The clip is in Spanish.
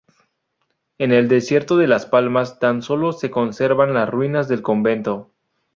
En el Desierto de las Palmas tan solo se conservan las ruinas del convento.